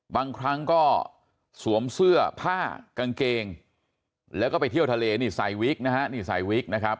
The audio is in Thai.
บางครั้งก็สวมเสื้อผ้ากางเกงแล้วก็ไปเที่ยวทะเลนี่ใส่วิกนะฮะนี่ใส่วิกนะครับ